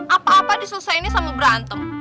apa apa disusahini sama berantem